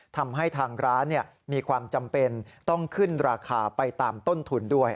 ทำให้ทางร้านมีความจำเป็นต้องขึ้นราคาไปตามต้นทุนด้วย